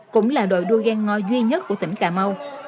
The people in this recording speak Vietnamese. cũng là đội đua ghen ngo duy nhất của tỉnh cà mau